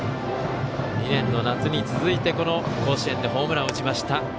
２年の夏に続いて甲子園でホームランを打ちました